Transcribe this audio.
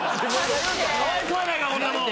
かわいそうやないかこんなもん。